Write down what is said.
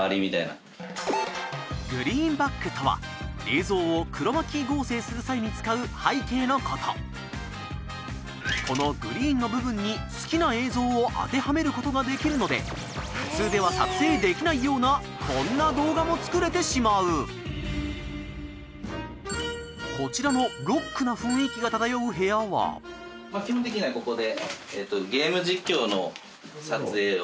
グリーンバックとは映像をクロマキー合成する際に使う背景のことこのグリーンの部分に好きな映像を当てはめることができるので普通では撮影できないようなこんな動画も作れてしまうこちらのロックな雰囲気が漂う部屋は基本的にはここで。